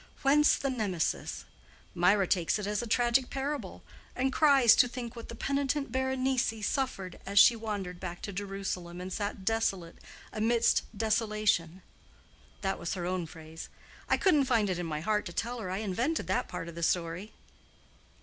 Whence the Nemesis. Mirah takes it as a tragic parable, and cries to think what the penitent Berenice suffered as she wandered back to Jerusalem and sat desolate amidst desolation. That was her own phrase. I couldn't find it in my heart to tell her I invented that part of the story."